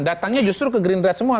datangnya justru ke gerindra semua